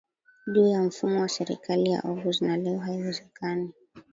juu ya mfumo wa serikali wa Oghuz na leo haiwezekani